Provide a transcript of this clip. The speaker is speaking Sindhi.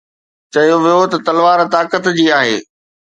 چيو ويو ته تلوار طاقت جي آهي